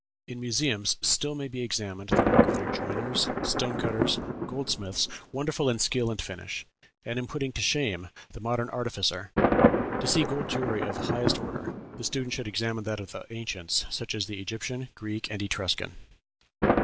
In museums still may be examined the work of their joiners, stone cutters, goldsmiths, wonderful in skill and finish, and in putting to shame the modern artificer.... To see gold jewellery of the highest order, the student should examine that of the ancients, such as the Egyptian, Greek, and Etruscan."